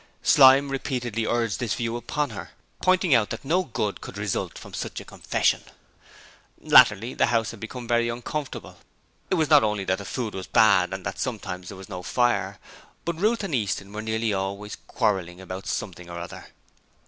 Slyme repeatedly urged this view upon her, pointing out that no good could result from such a confession. Latterly the house had become very uncomfortable. It was not only that the food was bad and that sometimes there was no fire, but Ruth and Easton were nearly always quarrelling about something or other.